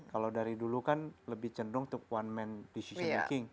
kalau dari dulu kan lebih cenderung untuk one man decision making